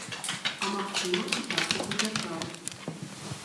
А магчыма, і тактыку дзяржавы.